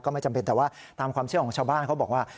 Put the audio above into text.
ไม่จำเป็นแต่ว่าตามความเชื่อของชาวบ้านเขาบอกว่า